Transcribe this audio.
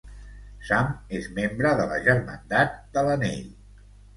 Sam és membre de la Germandat de l'Anell.